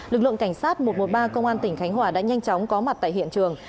lực lượng cảnh sát một trăm một mươi ba công an tỉnh khánh hòa đã nhanh chóng có mặt tại hiện trường